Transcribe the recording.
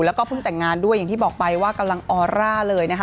แล้วก็เพิ่งแต่งงานด้วยอย่างที่บอกไปว่ากำลังออร่าเลยนะคะ